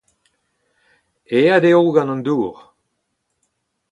Aet eo gant an dour